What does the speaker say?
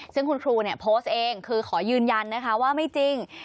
ซึ่งคุณครูเนี่ยโพสต์เองคือขอยืนยันนะคะว่าไม่จริง